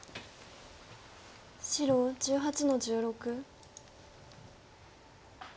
白１８の十六。